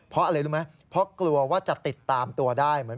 เพราะอะไรรู้ไหมเพราะกลัวว่าจะติดตามตัวได้เหมือน